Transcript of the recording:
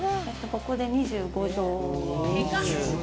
ここで２５畳。